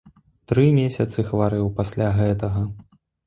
Тры месяцы хварэў пасля гэтага.